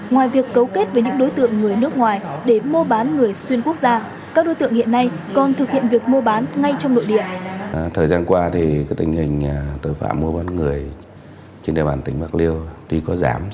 ngoài việc cấu kết với những đối tượng người nước ngoài để mua bán người xuyên quốc gia